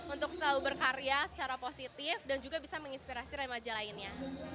untuk selalu berkarya secara positif dan juga bisa menginspirasi remaja lainnya